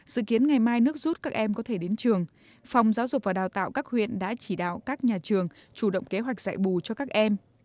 dự kiến ngày mai nước rút các em có thể đến trường phòng giáo dục và đào tạo các huyện đã chỉ đạo các nhà trường chủ động kế hoạch dạy bù cho các em